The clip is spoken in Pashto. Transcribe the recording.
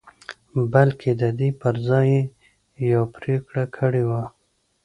بلکې د دې پر ځای يې يوه پرېکړه کړې وه.